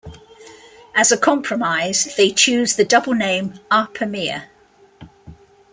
As a compromise they choose the double name Erpe-Mere.